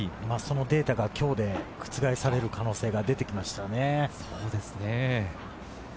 そのデータが今日で覆される可能性が出てきましたね。